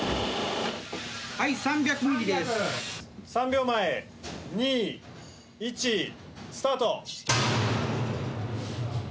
３秒前２１スタート！